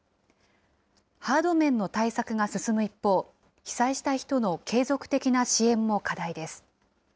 ハード面の対策が進む一方、被災した人の継続的な支援も課題です。